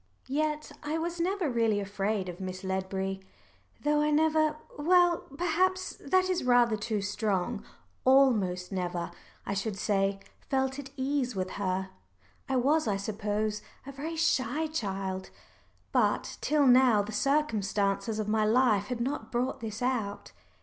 Yet I was never really afraid of Miss Ledbury, though I never well, perhaps that is rather too strong almost never, I should say, felt at ease with her. I was, I suppose, a very shy child, but till now the circumstances of my life had not brought this out.